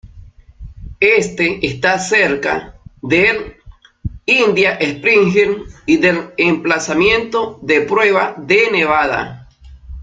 Este está cerca de Indian Springs y del emplazamiento de pruebas de Nevada.